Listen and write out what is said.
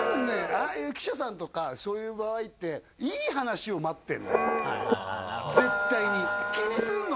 ああいう記者さんとかそういう場合っていい話を待ってるんだよ絶対に気にするの？